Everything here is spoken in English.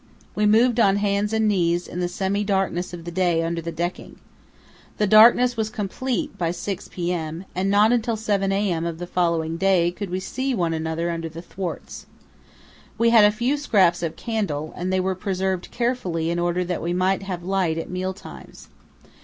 We moved on hands and knees in the semi darkness of the day under the decking. The darkness was complete by 6 p.m., and not until 7 a.m. of the following day could we see one another under the thwarts. We had a few scraps of candle, and they were preserved carefully in order that we might have light at meal times.